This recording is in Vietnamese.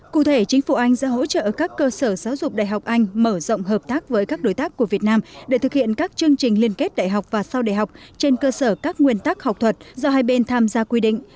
cụ thể chính phủ anh sẽ hỗ trợ các cơ sở giáo dục đại học anh mở rộng hợp tác với các đối tác của việt nam để thực hiện các chương trình liên kết đại học và sau đại học trên cơ sở các nguyên tắc học thuật do hai bên tham gia quy định